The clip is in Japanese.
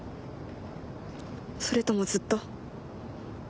それともずっと？